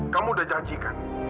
kamu udah janjikan